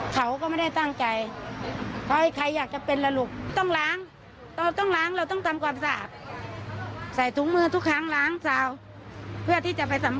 ส่วนตัวนี้มันก็เลยทำให้เราไม่สบายใจใช่ไหม